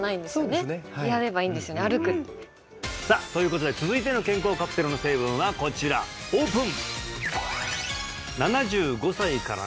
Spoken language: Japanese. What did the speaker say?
そうですねやればいいんですよね歩くさあということで続いての健康カプセルの成分はこちらオープン！